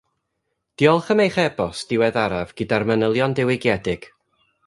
Diolch am eich e-bost diweddaraf gyda'r manylion diwygiedig